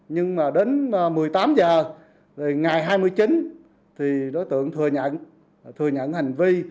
nhưng mà đến một mươi tám h ngày hai mươi chín thì đối tượng thừa nhận hành vi